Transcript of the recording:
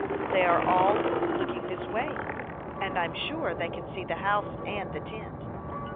They are all looking this way, and I'm sure they can see the house and the tent."